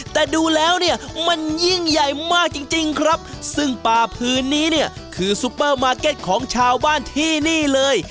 แต่ดูแล้วเนี่ยมันยิ่งใหญ่มากจริงจริงครับซึ่งป่าพื้นนี้เนี่ยคือซุปเปอร์มาร์เก็ตของชาวบ้านที่นี่เลย